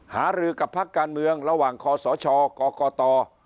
หาลือกับภักดิ์การเมืองระหว่างคศก่อก่อต่อ